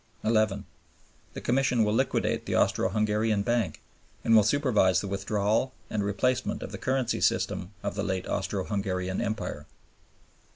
11. The Commission will liquidate the Austro Hungarian Bank, and will supervise the withdrawal and replacement of the currency system of the late Austro Hungarian Empire.